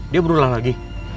dia berulang lagi